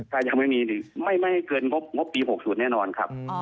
ถ้ายังไม่มีไม่เกินงบปี๖๐แน่นอนครับ